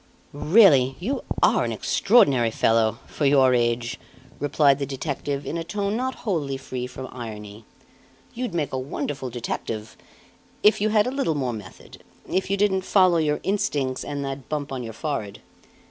"Really you are an extraordinary fellow for your age!" replied the detective in a tone not wholly free from irony. "You'd make a wonderful detective if you had a little more method if you didn't follow your instincts and that bump on your forehead.